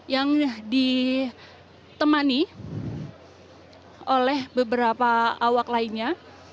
yang ditemani oleh beberapa awak lainnya